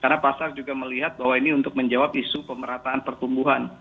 karena pasar juga melihat bahwa ini untuk menjawab isu pemerataan pertumbuhan